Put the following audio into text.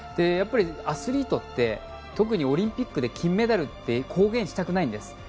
やっぱりアスリートって特にオリンピックで金メダルって公言したくないんです。